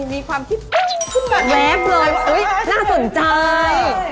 มีความทิ้งขึ้นมาแวบเลยน่าสนใจ